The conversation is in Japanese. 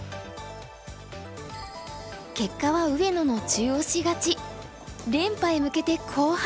結果は上野の中押し勝ち。